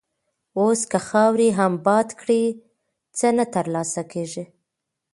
اوس که خاورې هم باد کړې، څه نه تر لاسه کېږي.